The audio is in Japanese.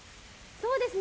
そうですね。